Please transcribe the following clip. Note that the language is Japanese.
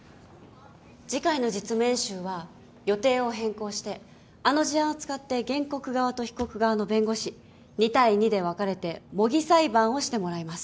次回の実務演習は予定を変更してあの事案を使って原告側と被告側の弁護士２対２で分かれて模擬裁判をしてもらいます。